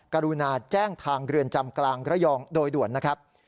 กรุณาแจ้งทางเรือนจำกลางระยองโดยด่วนนะครับ